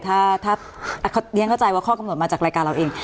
ถ้าเรียนเข้าใจว่าข้อกำหนดมาจากรายการเราเอง